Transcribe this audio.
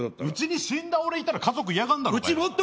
うちに死んだ俺いたら家族嫌がるだろ。